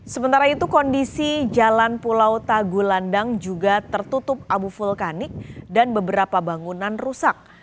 sementara itu kondisi jalan pulau tagulandang juga tertutup abu vulkanik dan beberapa bangunan rusak